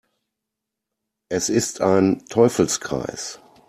Es ist ein Teufelskreis.